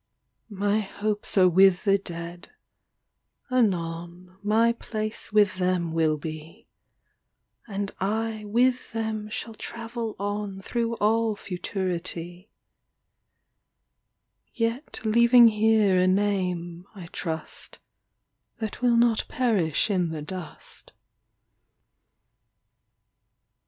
My hopes are with the Dead, anon My place with them will be, And I with them shall travel on Through all Futurity; Yet leaving here a name, I trust, That will not perish in the dust.